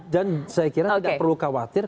dan saya kira tidak perlu khawatir